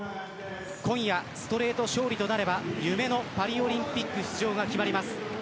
今夜ストレート勝利となれば夢のパリオリンピック出場が決まります。